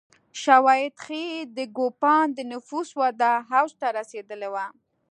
شواهد ښيي د کوپان د نفوس وده اوج ته رسېدلې وه